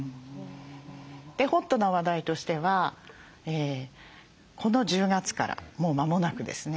ホットな話題としてはこの１０月からもう間もなくですね